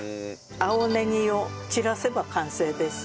青ネギを散らせば完成です。